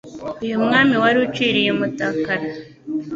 Uyu Mwami waruciriye i Mutakara,